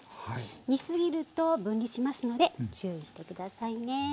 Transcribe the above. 煮過ぎると分離しますので注意して下さいね。